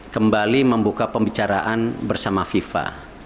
kembali membuka pembicaraan bersama fifa